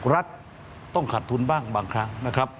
รัฐต้องขาดทุนบ้างบางครั้งนะครับ